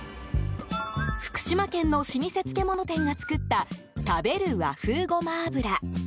福島県の老舗漬物店が作った食べる和風ごま油。